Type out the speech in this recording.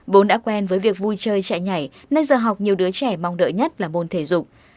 vốn đã quen với việc vui chơi chạy nhảy nên giờ học nhiều đứa trẻ mong đợi nhất là môn thể dục